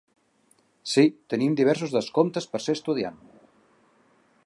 Sí, tenim diversos descomptes per ser estudiant.